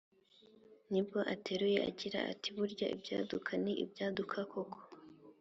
ni bwo ateruye agira ati "burya ibyaduka ni ibyaduka koko